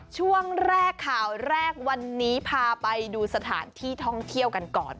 ช่วงแรกข่าวแรกวันนี้พาไปดูสถานที่ท่องเที่ยวกันก่อน